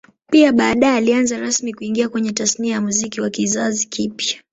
Pia baadae alianza rasmi kuingia kwenye Tasnia ya Muziki wa kizazi kipya